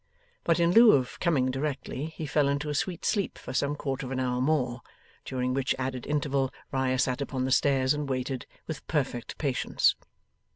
But, in lieu of coming directly, he fell into a sweet sleep for some quarter of an hour more, during which added interval Riah sat upon the stairs and waited with perfect patience.